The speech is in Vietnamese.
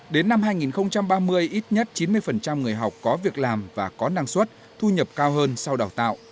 đến năm hai nghìn ba mươi ít nhất chín mươi người học có việc làm và có năng suất thu nhập cao hơn sau đào tạo